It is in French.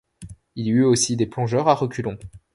Il y eut aussi des plongeurs à reculons.